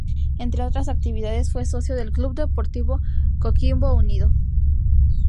Entre otras actividades, fue socio del Club Deportivo Coquimbo Unido.